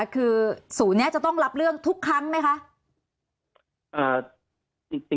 คือศูนย์นี้จะต้องรับเรื่องทุกครั้งไหมคะ